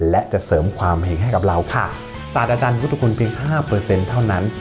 และจะเสริมความเห็งให้กับเราค่ะศาสตร์อาจารย์พุทธคุณเพียงห้าเปอร์เซ็นต์เท่านั้น